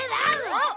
あっ！